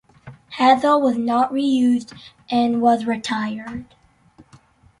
Hazel was not re-used and was retired.